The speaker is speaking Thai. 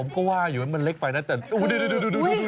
เพราะว่าอะไรรู้ไหม